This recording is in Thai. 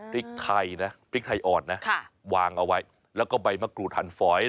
พริกไทยนะพริกไทยอ่อนนะวางเอาไว้แล้วก็ใบมะกรูดหันฝอย